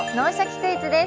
クイズ」です。